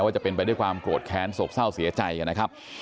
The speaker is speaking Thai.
จะเป็นไปด้วยความโกรธแค้นโศกเศร้าเสียใจนะครับ